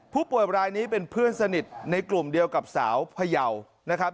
ผู้ป่วยรายนี้เป็นเพื่อนสนิทในกลุ่มเดียวกับสาวพยาวนะครับ